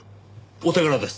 お手柄です。